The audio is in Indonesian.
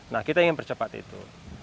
nah kita ingin percepat itu